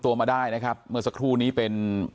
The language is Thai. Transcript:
เพราะไม่เคยถามลูกสาวนะว่าไปทำธุรกิจแบบไหนอะไรยังไง